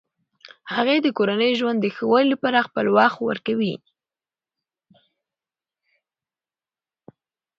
هغې د کورني ژوند د ښه والي لپاره خپل وخت ورکوي.